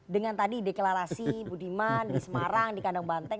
dengan tadi deklarasi budiman di semarang di kandang banteng